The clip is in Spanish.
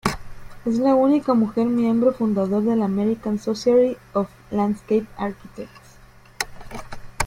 Es la única mujer miembro fundador del American Society of Landscape Architects.